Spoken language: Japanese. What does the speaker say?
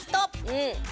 うん。